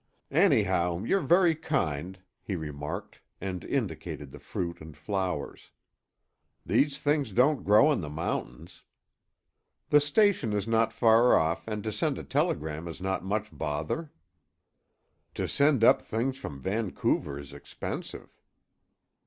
"Anyhow, you're very kind," he remarked, and indicated the fruit and flowers. "These things don't grow in the mountains." "The station is not far off and to send a telegram is not much bother." "To send up things from Vancouver is expensive."